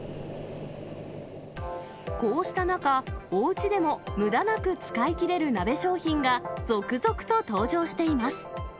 こうした中、おうちでもむだなく使い切れる鍋商品が、続々と登場しています。